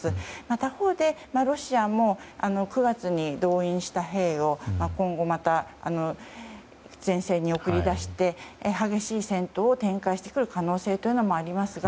他方でロシアも９月に動員した兵を今後また前線に送り出して激しい戦闘を展開してくる可能性もありますが